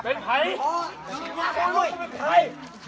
พ่อหนูเป็นใคร